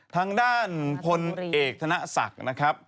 ทางด้านพลเอกธนศักดิ์นะครับ